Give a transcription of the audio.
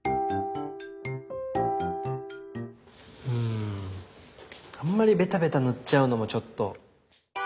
うんあんまりベタベタ塗っちゃうのもちょっと。